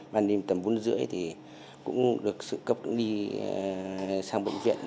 và đến tầm bốn năm thì cũng được sự cấp đi sang bệnh viện